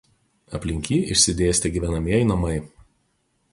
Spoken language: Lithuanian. Aplink jį išsidėstę gyvenamieji namai.